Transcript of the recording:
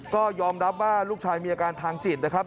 ก็ยอมรับว่าลูกชายมีอาการทางจิตนะครับ